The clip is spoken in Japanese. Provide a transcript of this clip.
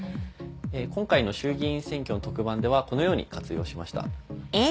今回の衆議院選挙の特番ではこのように活用しました。